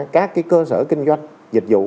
các cơ sở kinh doanh dịch vụ